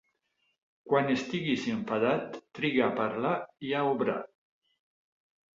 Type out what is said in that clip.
Quan estiguis enfadat triga a parlar i a obrar.